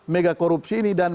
megakorupsi ini dan